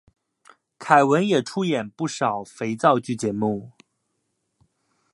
凯文也出演不少肥皂剧节目。